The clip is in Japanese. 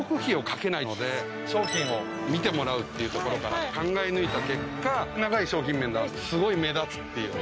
商品を見てもらうっていうところから考え抜いた結果長い商品名ならすごい目立つっていう。